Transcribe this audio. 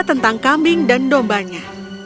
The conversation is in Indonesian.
tentang kambing dan dombanya